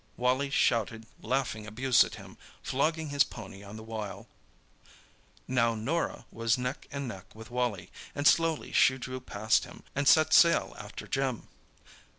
Wally shouted laughing abuse at him, flogging his pony on the while. Now Norah was neck and neck with Wally, and slowly she drew past him and set sail after Jim.